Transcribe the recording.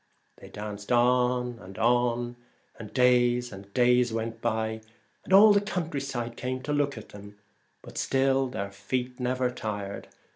They danced on and on, and days and days went by, and all the country side came to look at them, but still their feet never tired.